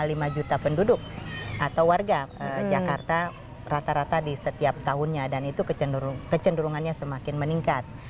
ada lima juta penduduk atau warga jakarta rata rata di setiap tahunnya dan itu kecenderungannya semakin meningkat